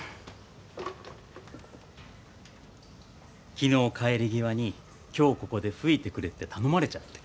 昨日帰り際に今日ここで吹いてくれって頼まれちゃって。